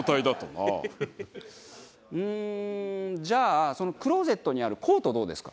うーんじゃあそのクローゼットにあるコートどうですか？